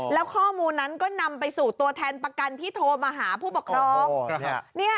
แล้วข้อมูลนั้นก็นำไปสู่ตัวแทนประกันที่โทรมาหาผู้ปกครอง